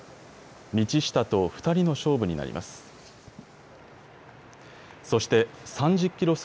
道下と２人の勝負になります。